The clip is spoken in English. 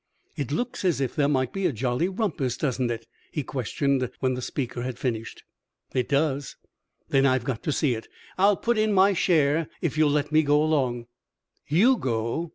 "It looks as if there might be a jolly rumpus, doesn't it?" he questioned, when the speaker had finished. "It does." "Then I've got to see it. I'll put in my share if you'll let me go along." "You go!